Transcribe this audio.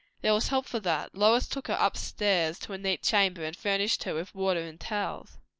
There was help for that; Lois took her upstairs to a neat chamber, and furnished her with water and towels.